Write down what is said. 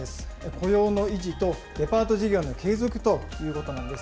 雇用の維持とデパート事業の継続ということなんです。